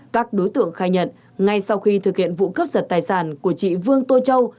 các đối tượng khai nhận ngay sau khi thực hiện vụ cướp giật tài sản của chị vương tô châu